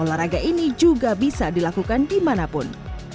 olahraga ini juga bisa dilakukan dimanapun